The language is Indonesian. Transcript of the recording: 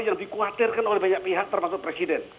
yang dikhawatirkan oleh banyak pihak termasuk presiden